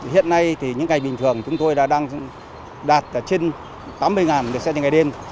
hiện nay thì những ngày bình thường chúng tôi đang đạt trên tám mươi lượt xe trên ngày đêm